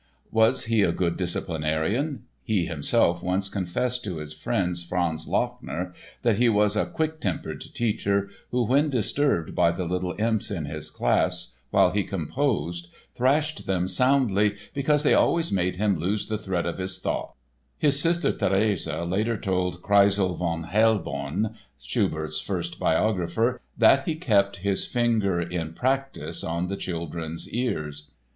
Was he a good disciplinarian? He himself once confessed to his friend, Franz Lachner, that he was a "quick tempered teacher," who when disturbed by the little imps in his class while he composed thrashed them soundly "because they always made him lose the thread of his thought." His sister, Therese, later told Kreissle von Hellborn (Schubert's first biographer) that he "kept his finger in practise on the children's ears."